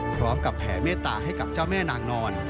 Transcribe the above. พร้อมกับแผงเมตตาให้กับเจ้าแม่นางนอน